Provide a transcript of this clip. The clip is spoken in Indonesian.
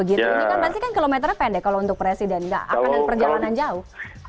ini kan pasti kan kilometernya pendek kalau untuk presiden nggak akan ada perjalanan jauh